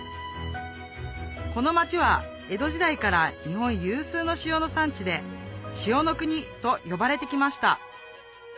この町は江戸時代から日本有数の塩の産地で塩の国と呼ばれてきました